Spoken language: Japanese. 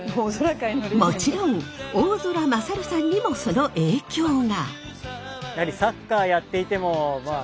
もちろん大空愉さんにもその影響が。